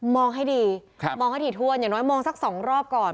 ให้ดีมองให้ถี่ถ้วนอย่างน้อยมองสักสองรอบก่อน